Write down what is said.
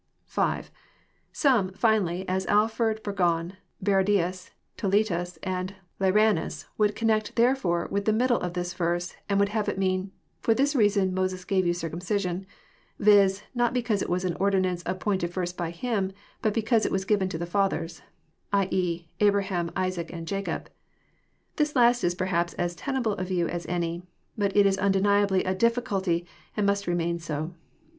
— (6) Some, finally, as Alford, Bur;;on, Barradius, Toletus, and Lyranus, would connect " therefore " with the middle of this verse, and would have it mean, " For this reason Moses gave you circumcision, viz., not because it was an ordinance ap pointed first by him, but because it was given to the fathers, — t*. e., Abraham, Isaac, and Jacob. This last is perhaps as tenable a view as any. But it is undeniably a difiaculty, and must remain so.